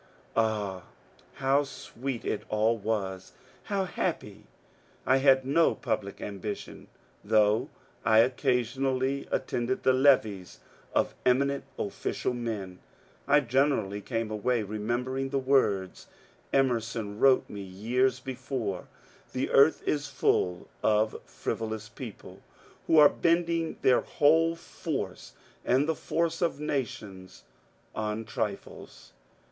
Ah, how sweet it all was, how happy I I had no public am bition ; though I occasionally attended the levees of eminent official men, I generaUy came away remembering the words Emerson wrote me years before, ^^ The earth is full of frivo lous people who are bending their whole force and the force of nations on trifles."